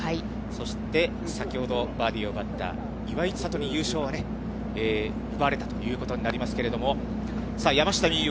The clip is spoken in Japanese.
そして、先ほどバーディーを奪った岩井千怜に優勝はね、奪われたということになりますけれども、山下美夢